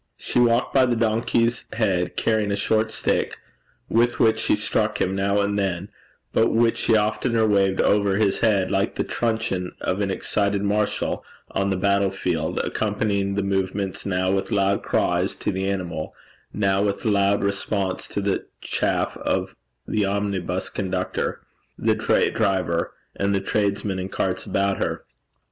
She walked by the donkey's head carrying a short stick, with which she struck him now and then, but which she oftener waved over his head like the truncheon of an excited marshal on the battle field, accompanying its movements now with loud cries to the animal, now with loud response to the chaff of the omnibus conductor, the dray driver, and the tradesmen in carts about her.